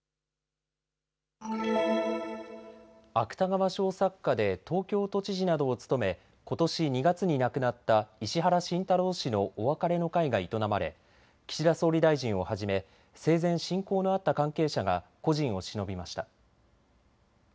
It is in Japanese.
芥川賞作家で東京都知事などを務めことし２月に亡くなった石原慎太郎氏のお別れの会が営まれ岸田総理大臣をはじめ生前、親交のあった関係者が故人をしのびました。